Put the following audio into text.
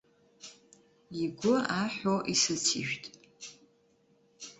Игәы аҳәо исыцижәт.